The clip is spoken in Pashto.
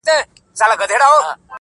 o د خبرونو وياند يې.